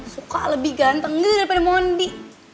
suka lebih ganteng daripada mondi